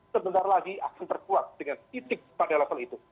sebentar lagi akan terkuat dengan titik partai lokal itu